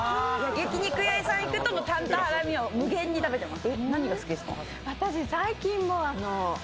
焼き肉屋さんに行くとタンとハラミを無限に食べています。